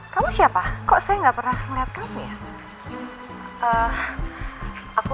kamu siapa kok saya gak pernah ngeliat kamu ya